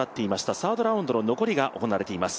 サードラウンドの残りが行われています。